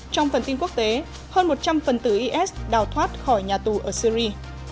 trong phần tin quốc tế hơn một trăm linh phần tử is đào thoát khỏi nhà tù ở syri